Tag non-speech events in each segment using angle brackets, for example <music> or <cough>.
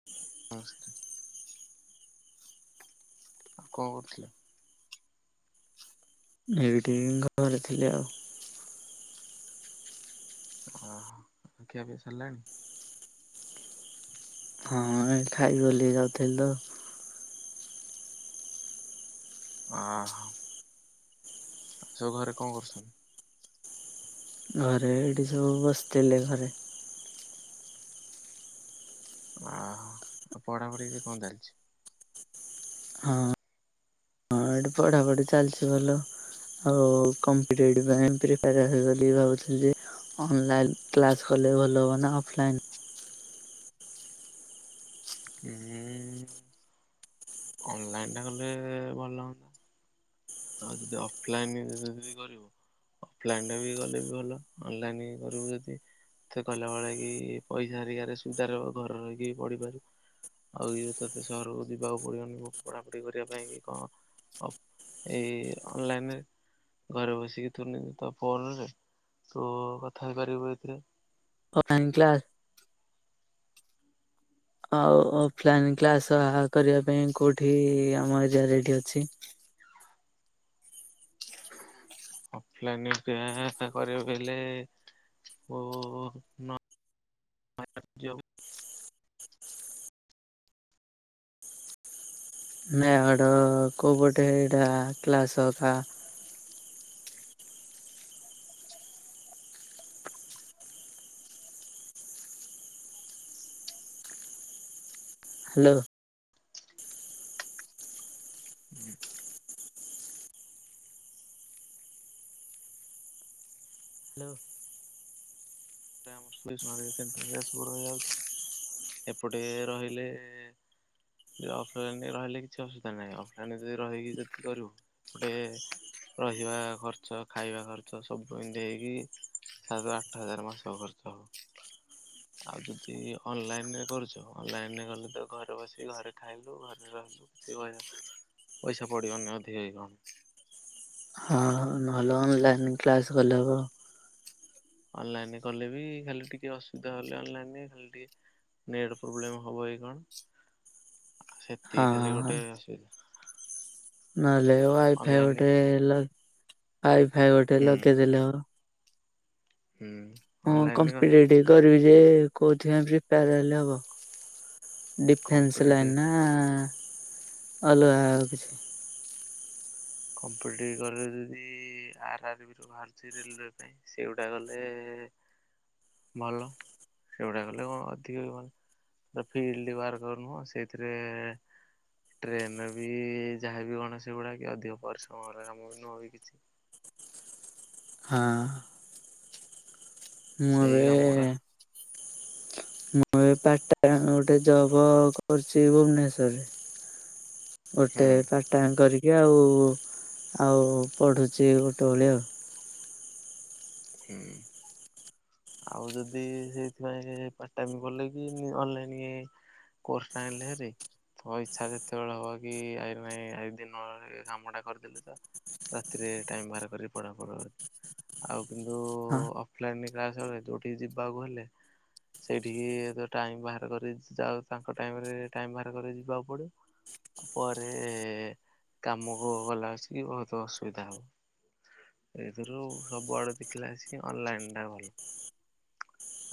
<inaudible> ନମସ୍କାର। ଆଉ କଣ କରୁଥିଲ? ଏଇଟି ଘରେ ଥିଲି ଆଉ। ଓହୋ ଆଉ ଖିଆ ପିଇ ସାରିଲାଣି? ହଁ ଏଇ ଖାଇବି ବୋଲି ଯାଉଥିଲି ତ। ଓହୋ। ସବୁ ଘରେ କଣ କରୁଛନ୍ତି? ଘରେ ଏଇଠି ସବୁ ବସିଥିଲେ ଘରେ। ଓହୋ ଆଉ ପଢ଼ାପଢି କି କଣ ଚାଲିଛି? ହଁ। ହଁ ଏଠି ପଢାପଢି ଚାଲିଛି ଭଲ। ଆଉ କମ୍ପିଟିଟିଭ୍ ପାଇଁ ପ୍ରିପେୟାର୍ ହେବି ବୋଲି ଭାବୁଥିଲେ ଯେ ଅନଲାଇଲ୍ କ୍ଲାସ କଲେ ଭଲ ହବ ନା ଅଫଲାଇନ? ଉଁ- ଅନଲାଇନ ଟା କଲେ ଭଲ ହୁଅନ୍ତା। ହଉ ଯଦି ଅଫଲାଇନିିଦି କରିବୁ ଅଫଲାଇନରେ କଲେ ବି ଭଲ ଅନଲାଇନ କରିବୁ ଯଦି ମତେ କଲା ବଳେ କି ପଇସା ହେରିକା ରେ ସୁବିଧାର ହେବ ଘର ରହିକି ପଢିପାରିବୁ। ଆଉ ଇଏ ତତେ ସହରକୁ ଯିବାକୁ ପଡିବନି ପଢ଼ାପଢି କରିବା ପାଇଁ କି କଣ। ଏଇ ଅନଲାଇନ ରେ। ଘରେ ବସିକି ଥୁନି ତ ଫୋନରେ ତୁ କଥା ହେଇପାରିବୁ ଏଥିରେ। ଲାଇନ କ୍ଲାସ ଆଉ ଅଫଲାଇନ କ୍ଲାସ କରିବା ପାଇଁ କୋଉଠି ଆମ ଏରିଆ ରେଡି ଅଛି। ଅଫଲାଇନ କରିବାକୁ ହେଲେ ଓ ଓ ଓ ନ <unintelligible> ଯିବାକୁ। ନଡ କୋପଟେ ଏଇଟା କ୍ଲାସ ହ <unintelligible> <inaudible> ହ୍ୟାଲୋ। ହୁଁ। ହ୍ୟାଲୋ। ସେଣ୍ଟରରେ ସବୁ ରହିଯାଉଛି ଏପଟେ ରହିଲେ ଅଫଲାଇନ ରେ ରହିଲେ କିଛି ଅସୁବିଧା ନାହିଁ ଅଫଲାଇନ ରେ ଯଦି ରହିକି ଯଦି କରିବୁ ଗୋଟେ ରହିବା ଖର୍ଚ୍ଚ ଖାଇବା ଖର୍ଚ୍ଚ ସବୁ ଦେଇକି ସାତ ଆଠ ହଜାର ମାସକୁ। ଖର୍ଚ୍ଚ ହବ। ଆଉ ଯଦି ଅନଲାଇନ୍ ରେ କରୁଛ ଅନଲାଇନ୍ ରେ କଲେ ତ ଘରେ ବସିକି ଘରେ ଖାଇଲୁ ଘରେ ରହିଲୁ। ଶିବାୟ ପଇସା ପଡ଼ିବନି ଅଧିକା <unintelligible> ହଁ ଭଲ। ଅନଲାଇନ୍ କ୍ଲାସ୍ କଲେ ହବ। ଅନଲାଇନ୍ କଲେ ବି ଖାଲି ଟିକେ ଅସୁବିଧା ହେଲେ ଅନଲାଇନ୍ ରେ ଖାଲି ଟିକେ ନେଟ୍ ପ୍ରୋବ୍ଲେମ୍ ହବ କି କଣ ସେତିକି ଖାଲି ହଁ। ଗୋଟେ ଅସୁବିଧା। ନହେଲେ ୱାଇଫାଇ ଅନଲାଇନ ଗୋଟେ ଲ ୱାଇ ଫାଇ ଗୋଟେ ହୁଁ ଲଗେଇଦେଲେ ହବ। ହୁଁ। ମୁଁ ଅନଲାଇନ କମ୍ପିଡି଼ଟି କରିବି ଯେ କୋଉଥିପାଇଁ ପ୍ରିପାର ହେଲେ ହବ। ଡିଫେନ୍ସ୍ ଲାଇନ୍ କମ୍ପିଟେଟିଭ ନା ଅଲଗା ଆଉ କିଛି। <unintelligible> କଲେ ଜଦି ଆର ଆର ବି ଯୋଉ ଭାରତୀୟ ରେଲୱେ ପାଇଁ ସେଗୁଡା଼ ଗଲେ ଭଲ ସେଗୁଡା଼ କଲେ କଣ ଅଧିକ ବି ଭଲ। ତ ଫିଲ୍ଡ୍ ବାହାର କରିବ ସେଇଥିରେ ଟ୍ରେନ୍ ରେ ବି ଯାହାବି କଣ ସେଗୁଡ଼ାକ ଅଧିକ ପରିଶ୍ରମର କାମ ବି ନୁହେଁ ବି କିଛି। ହଁ। ମୁଁ ସେଇ ଏବେ କାମଗୁଡ଼ା ମୁଁ ଏବେ ପାର୍ଟ ଟାଇମ୍ ଗୋଟେ ଜବ୍ କରୁଛି ଭୁବନେଶ୍ଵରରେ। ହୁଁ ଗୋଟେ ପାର୍ଟ ଟାଇମ୍ କରିକି ଆଉ ଆଉ ପଢୁଛି ଗୋଟେ ଓଳି ଆଉ। ହୁଁ। ଆଉ ଯଦି ସେଇଥିପାଇଁ ପାର୍ଟ ଟାଇମ୍ ଗଲେ କି ଅନଲାଇନ୍ କୋର୍ସ୍ <unintelligible> ହେରି ତୋ ଇଚ୍ଛା ଯେତେବେଳେ ହବ କି <unintelligible> ଦିନ କାମଟା କରିଦେଲେ ତ। ରାତିରେ ଟାଇମ୍ ବାହାର କରିକି ପଢ଼ାପଢ଼ି ଆଉ କିନ୍ତୁ ହଁ ଅଫଲାଇନ୍ <unintelligible> ଯୋଉଠିକି ଯିବାକୁ ହେଲେ ସେଇଠିକି ଟାଇମ୍ ବାହାର କରି ଯାଉ ତାଙ୍କ ଟାଇମ୍ ରେ ଟାଇମ୍ ବାହାର କରି ଯିବାକୁ ପଡ଼ିବ। ପରେ କାମକୁ ଗଲା ଆସିକି ବହୁତ୍ ଅସୁବିଧା ହବ। ଏଇଥିରୁ ସବୁଆଡ଼େ ଦେଖିଲା ଆସିକି ଅନଲାଇନ୍ ଟା ଭଲ।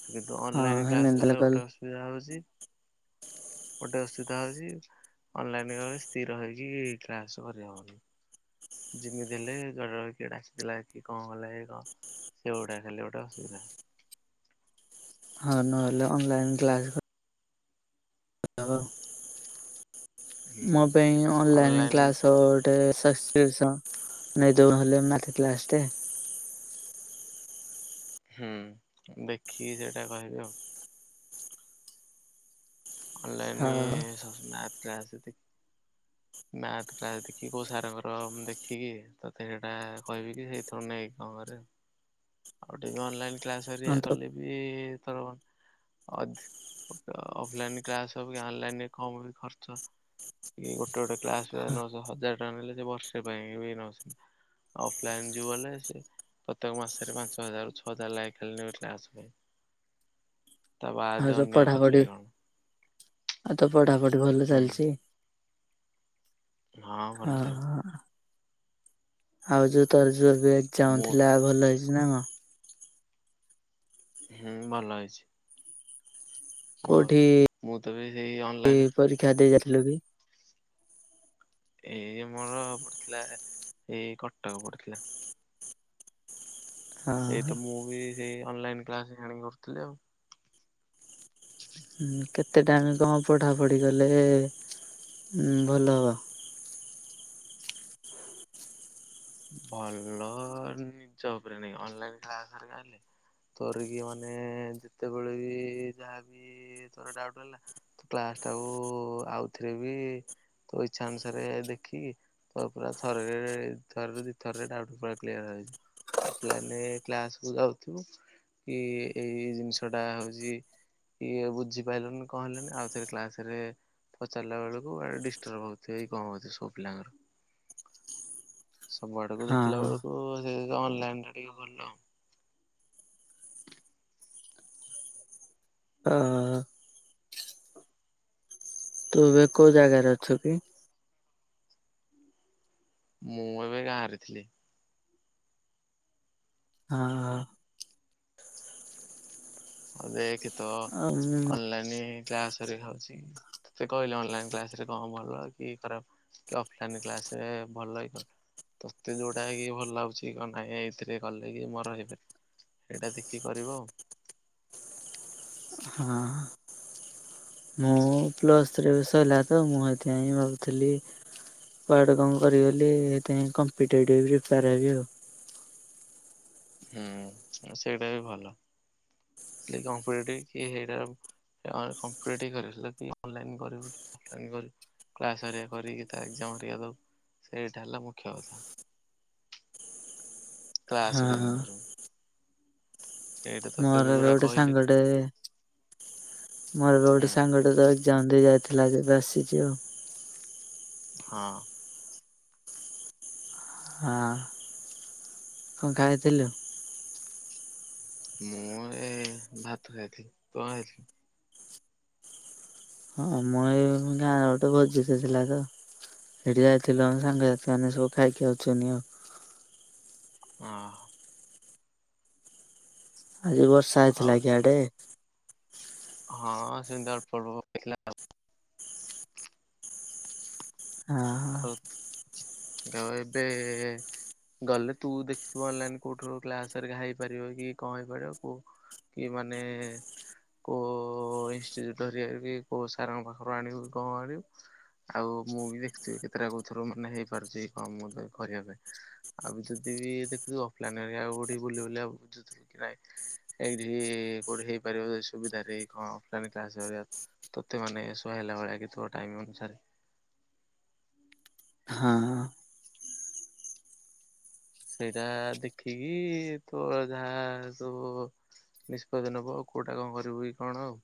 ଆଉ କିନ୍ତୁ ହଁ ଅନଲାଇନ୍ କ୍ଲାସ୍ ହେମିତି ହେଲେ କଲେ ଗୋଟେ ଅସୁବିଧା ହଉଛି। ଗୋଟେ ଅସୁବିଧା ହଉଛି। ଅନଲାଇନ୍ କଲେ ସ୍ଥିର ହେଇକି କ୍ଲାସ୍ କରିହବନି। ଯେମିତି ହେଲେ ଜଣେ କିଏ ଡା଼କିଥିଲା କି କଣ ଗଲା କି କଣ। ସେ ଗୁଡ଼ା ଖାଲି ଗୋଟେ ଅସୁବିଧା। ହଁ ନହେଲେ ଅନଲାଇନ୍ କ୍ଲାସ୍ ହୁଁ ମ ପାଇଁ ଅନଲାଇନ୍ ଅନଲାଇନ କ୍ଲାସ୍ <unintelligible> କ୍ରିପ୍ସନ୍ <unintelligible> ହେଲେ ମ୍ୟାଥ କ୍ଲାସ୍ ଟେ ହୁଁ ଦେଖିକି ସେଇଟା କହିବି ଆଉ। ଅନଲାଇନ୍ ହଁ ମ୍ୟାଥ କ୍ଲାସ୍ ମ୍ୟାଥ୍ କ୍ଲାସ୍ ଦେଖିକି କୋଉ ସାର୍ ଙ୍କର ଦେଖିକି ତୋତେ ସେଇଟା କହିବି କି ସେଇଥରୁ ନେଇକି କଣ କରିବୁ। ଆଉ ଟିକେ ଅନଲାଇନ୍ ଆଉ କ୍ଲାସହେରିକା ତୋ କଲେ ବି ତର ଅଧି ଅଫଲାଇନ୍ କ୍ଲାସ୍ ଅବିକା ଅନଲାଇନ୍ କମ ବି ଖର୍ଚ୍ଚ। ଇଏ ଗୋଟେ ଗୋଟେ କ୍ଲାସ୍ ପାଇଁ ନଶ ହଜାର ଟଙ୍କା ନେଲେ ଯେ ବର୍ଷେ ପାଇଁ <unintelligible> ଅଫଲାଇନ୍ ଯୋଉ ଗଲେ ସେ ପ୍ରତ୍ୟେକ ମାସ ଚାରି ପାଞ୍ଚ ହଜାର ଛଅ ହଜାର ଲେଖା ଖାଲି ନେବେ କ୍ଲାସ୍ ପାଇଁ। ତା ଆଉ ବାଦେ ତୋ ଅନ୍ୟ ଖର୍ଚ୍ଚ ପଢାପଢି ହେଇ କଣ ଆଉ ତ ପଢ଼ାପଢ଼ି ଭଲ ହୁଁ ଚାଲିଚି। ହଁ ଭଲ ଚାଲିଚି। ଆଉ ଯୋଉ ତୋର ଯୋ ଏବେ ଏକ୍ଜାମ୍ ମୁଁ ଥିଲା ଭଲ ହେଇଛି ନା କଣ? ହୁଁ ଭଲ ହେଇଛି। ମୋର କୋଉଠି ମୁଁ ତ ବି ସେଇ ଅନଲାଇନ୍। ପରୀକ୍ଷା ଦେଇ ଯାଇଥିଲୁ କି? ଏଇ ମୋର ପଡିଥିଲା ଏଇ କଟକ ପଡିଥିଲା। ହଁ ଏଇ ତ ମୁଁ ବି ସେଇ ଅନଲାଇନ୍ କ୍ଲାସ ଆଣିକି କରୁଥିଲି ଆଉ <inaudible> ହୁଁ କେତେ ଟାଇମ୍ କଣ ପଢ଼ାପଢ଼ି କଲେ ଭଲ ହବ? ଭଲ ନିଜ ଉପରେ ନିର୍ଭର କ ଅନଲାଇନ କ୍ଲାସ୍ ରେ ହେଲେ ତରିକି ମାନେ ଯେତେବେଳେ ବି ଯାହାବି ତର ଡାଉଟ ହେଲା। କ୍ଲାସ୍ ଟାକୁ ଆଉଥରେ ବି ତ ଇଚ୍ଛା ଅନୁସାରେ ଦେଖିକି ତ ପୁରା ଥରରେ ଥରୁର ଦି ଥରେ ଡାଉଟ୍ ପୁରା କ୍ଲିୟର ହେଇଯ ଅଫଲାଇନେ କ୍ଲାସକୁୁ ଯାଉଥିବୁ। କି ଏଇ ଜିନିଷଟା ହଉଚି। କିଏ ବୁଝିପାଇଲୁନି କଣ ହେଲାନି ଆଉ ଥରେ କ୍ଲାସ ରେ ପଚାରିଲା ବେଳକୁ ଇଆଡେ ଡିଷ୍ଟର୍ବ ହଉଥିବ ଏଇ କଣ ହଉଥିବ ସବୁ ପିଲାଙ୍କର। ସବୁ ଆଡକୁ ହଁ ଦେଖିଲା ବେଳକୁ ସେ ଅନଲାଇନ ଟିକେ ଭଲ ଆଉ। ଅହ ତୁ ଅବିକା କୋଉ ଜାଗାରେ ଅଛୁ କି? ମୁଁ ଏବେ ଗାଁ ରେ ଥିଲି। ଅହଁ ହ। ଅ ଦେଖ ତ ହଁ ଆଉ ମୁଁ ଅନଲାଇନ। କ୍ଲାସ୍ ହେରିକା ହଉଚି ତତେ କହିଲେ ଅନଲାଇନ୍ କ୍ଲାସ୍ ରେ କଣ ଭଲ କି ଖରାପ। ଅଫଲାଇନ୍ କ୍ଲାସ ଭଲ ହେଇଗଲ। ତୋତେ ଯୋଉଟା କି ଭଲ ଲାଗୁଛି କ ନହିଁ ଏଇଥିରେ କଲେ କି ମୋର ହେଇପାରିବ। ହେଟା ଦେଖି କରିବ ଆଉ। ହଁ ଅ ମୋ ପ୍ଲସ ଥ୍ରୀ ବି ସଇଲା ତ ମୁଁ ହେଇଥି ପାଇଁ ଭାବୁଥିଲି କୁଆଡେ କଣ କରିବି ବଲି ହେଇଥିପାଇ କମ୍ପି ଡେଟିଭ୍ ପ୍ରିପାର୍ ହେବି ଆଉ। ହୁଁ ସେଇଟା ବି ଭଲ କି କମ୍ପଡ଼େଟିଭ୍ ସେଇଟା କମ୍ପିଟେଟିଭ ଟ କରିବ କି ଅନଲାଇନ୍ କରିବ କି ଅଫଲାଇନ୍ କରିବୁ। କ୍ଲାସ ହେରିକା କରିକି ତା ଏଗ୍ ଜାମ୍ ହେରିକା ଦବୁ ସେଇଟା ହେଲା ମୁଖ୍ୟ କଥା। ହଁ କ୍ଲାସ ରେ ହଁ ଏନଭା। ମୋର ଏବେ ଯୋଉଟା ଗୋଟେ କହିଲି ସାଙ୍ଗଟେ ମୋର ବି ହୁଁ ଗୋଟେ ସାଙ୍ଗ ତ ଯନ୍ଦି ଯାଇଥିଲା ଯେ ଏବେ ଆସିଛି ଆଉ। ହଁ ହଁ କଁ ଖାଇଥିଲୁ ମୁଁ ଏ ଭାତ ଖାଇଥିଲି ତୁ କଣ ଖାଇଥିଲୁ? ହଁ ମୁଁ ଏ ଗାଁରେ ଗୋଟେ ଭୋଜି ଟେ ଥିଲା ତ ସେଇଠି ଯାଇଥିଲୁମ ସାଙ୍ଗସାଥି ମାନେ ସବୁ ଖାଇକି ଆଉଛନ୍ତିି ଆଉ ହ। ଆଜି ବର୍ଷା ଆଉ ହେଇଥିଲା କିଆଡେ। ହଁ ସେମତି ଅଳ୍ପ ଅଳ୍ପ ପଳେଇଥିଲେ ଆଉ ହଁ ଆଉ ଏବେ? ଗଲେ ତୁ ଦେଖିଥିବୁ ଅନଲାଇନ କୋଉଠୁ କ୍ଲାସ ହେଇ ପାରିବ କି କଣ ହେଇପାରିବ କୋ କି ମାନେ? କେଉଁ ଇନଷ୍ଟିଚ୍ୟୁଟ୍ ଧରିକି କେଉଁ ସାରଙ୍କ ପାଖରୁ ଆଣିବୁ କି କଣ ଆଣିବୁ। ଆଉ ମୁଁ ବି ଦେଖୁଥିବି କେତେଟା କଥର ମାନେ ହେଇପାରୁଛି କଣ ମୁ କରିବା ପାଇଁ। ଆଉ ଯଦି ବି ଦେଖୁଛୁ ଅଫଲାଇନି ବୁ ବୁଲି କି ନାହିଁ। ଏଇଠି କୋଉଠି ହେଇପାରିବ ସୁବିଧାରେ କଣ ଅଫଲାଇନ କ୍ଲାସ ହେରିକା। ତୋତେ ମାନେ ସୁୁଆ ହେଲା ଭଳିଆ କି ଥିବ ଟାଇମ ଅନୁସାରେ ହଁ ସେଇଟା ଦେଖିକି ତୋ ଯାହା ତୁ। ନିଷ୍ପତ୍ତି ନବୁ ଆଉ କେଉଁଟା କଣ କରିବୁ କି କଣ ଆଉ।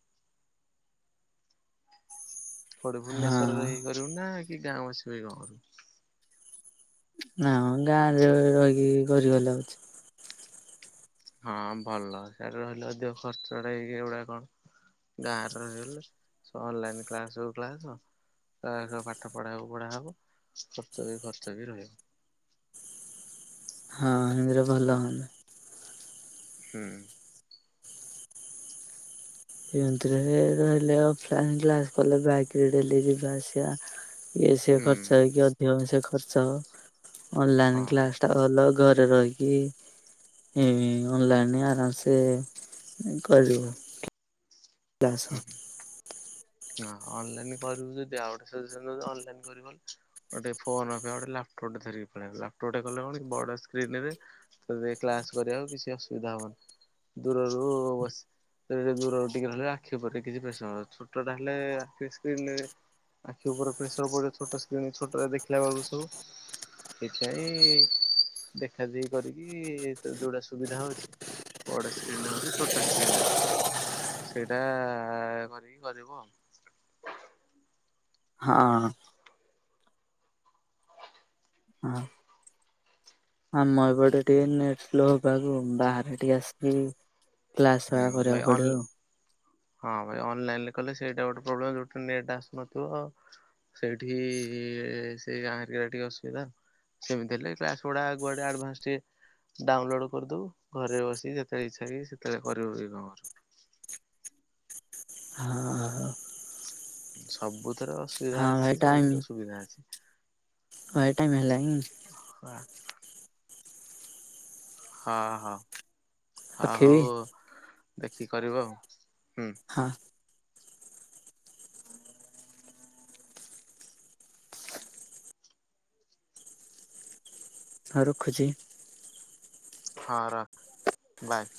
କୋଉଠି ହଁ। ଭୁବନେଶ୍ୱରରେ ରହି କରିବୁ ନା କି ଗାଁ ବାସିପାଇ କଣ କରିବୁ। ହଁ ଗାଁ ରେ ରହିକି କରିବ ଲାଗୁଛି। ହଁ ଭଲ ସ୍ୟାଡେ ରହିଲେ ଅଧିକ ଖର୍ଚ୍ଚଟା ହେଇକି ଏଗୁଡାଆ କଣ। ଗାଁରେ ରହିଗଲେ ସେ ଅନଲାଇନ୍ କ୍ଲାସ୍ ହଉ କ୍ଲାସ୍। ତା ସହ ପାଠ ପଢ଼ାକୁ ପଢ଼ା ହବ ଖର୍ଚ୍ଚ ବି ଖର୍ଚ୍ଚ ବି ରହିବ। ହଁ ସେମିତି ରେ ଭଲ ହୁଅନ୍ତା। ହୁଁ। ଯେମତିରେ ବି ରହିଲେ ଅଫଲାଇ କ୍ଲାସ୍ କଲେ ବାଇକ୍ ରେ ଡେଲି ଯିବା ଆସିବା। ଇଏ ସିଏ ହୁଁ ଖର୍ଚ୍ଚ ହେଇକି ଅଧିକ ସେ ଖର୍ଚ୍ଚ ହବ ଅନଲାଇନ୍ ହଁ କ୍ଲାସ୍। ତ ଭଲ ଘରେ ରହିକି। ଏ ଅନଲାଇନ୍ ଆରାମସେ କରିବୁ। ହୁଁ। ତାସହ। ହଁ ଅନଲାଇନ୍ କରିବୁ ଯଦି ଆଉ ଗୋଟେ ସେକ୍ସନ ଅନଲାଇନ୍ କରିବୁ। ଗୋଟେ ଫୋନ୍ କାଇଁ ଗୋଟେ ଲାପଟପ୍ ଟେ ଧରିକି ପଳେଇଆ ଲାପଟପ୍ ଟେ କଲେ କଣକି ବଡ଼ ସ୍କ୍ରିନରେ। ତତେ କ୍ଲାସ୍ କରିବାକୁ କିଛି ଅସୁବିଧା ହବନି। ଦୂରରୁ ବସି ଦୂରରୁ ଟିକେ ରହିଲେ ଆଖି ଉପରେ କିଛି ପ୍ରେସର୍ ହବନି। ଛୋଟ ଟା ହେଲେ ଆଖିରେ ସ୍କ୍ରିନରେ। ଆଖି ଉପରେ ପ୍ରେସର୍ ପଡ଼ିବ ଛୋଟ ସ୍କ୍ରିନ୍ ଛୋଟ ଦେଖିଲା ବେଳକୁ ସବୁ। ସେଥିପାଇଁ ଦେଖା ଦେଖି କରିକି ତତେ ଯୋଉଟା ସୁବିଧା ହଉଛି। ବଡ ସ୍କ୍ରିନ୍ ରେ ହଉ କି ଛୋଟ ସ୍କ୍ରିନ ରେ ହଉ ସେଇଟା କରିକି। କରିବୁ ଆଉ। ହଁ। ହଁ। ଆମ ଏପଟେ ଟିକେ ନେଟ୍ ସ୍ଲୋ ହବାକୁ ବାହାରେ ଟିକେ ଆସିଛି। କ୍ଲାସ୍ ଆ ହୁଁ ଭାଇ କରିବାକୁ ଅନ ପଡିବ ଆଉ। ହଁ ଭାଇ ଅନଲାଇନରେ କଲେ ସେଇଟା ଗୋଟେ ପ୍ରୋବ୍ଲେମ୍ ଯୋଉଠି ନେଟ୍ ଆସୁନଥିବ ଆଉ। ସେଇଠି ସେ ଗାଁରେ ଟିକେ ଅସୁବିଧା। ସେମିତି ହେଲେ କ୍ଲାସ୍ ସ ଗୁଡା ଆଗୁଆ ଆଡଭାନ୍ସ ଟିକେ। ଡାଉନଲୋଡ଼୍ କରିଦବୁ ଘରେ ବସିିକ ଯେତେବେଳେ ଇଚ୍ଛା କି ସେତେବେଳେ କରିବୁ କି କଣ। ହଁ। ସବୁଥର ହଁ ଅସୁବିଧା ହଁ ଭାଇ ଅଛି ସବୁଥର ସୁବିଧା ଅଛି। ହ ଏ ଟାଇମ୍ ହେଲାଣି। ହଁ। ହଁ ହଁ ହଁ ରଖିବି ହଉ ଦେଖିକି କରିବୁ ଆଉ ହୁଁ। ହଁ ହଉ ରଖୁଛି। ହଁ ରଖ ବାଏ।